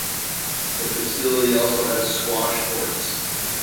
The facility also has squash courts.